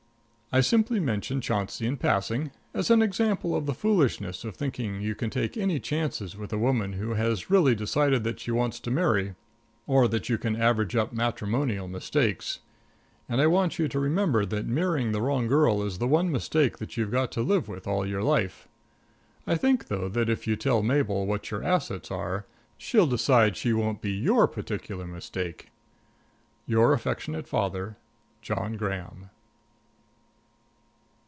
I simply mention Chauncey in passing as an example of the foolishness of thinking you can take any chances with a woman who has really decided that she wants to marry, or that you can average up matrimonial mistakes. And I want you to remember that marrying the wrong girl is the one mistake that you've got to live with all your life. I think, though, that if you tell Mabel what your assets are, she'll decide she won't be your particular mistake. Your affectionate father, JOHN GRAHAM.